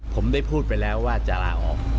ผมได้พูดไปแล้วว่าจะลาออก